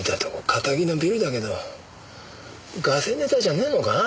カタギのビルだけどガセネタじゃねえのか？